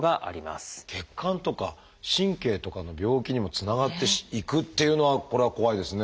血管とか神経とかの病気にもつながっていくっていうのはこれは怖いですね。